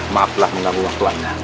maaflah mengganggu waktu anda